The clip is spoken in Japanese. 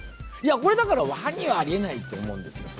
これだからワニはありえないと思うんですよ。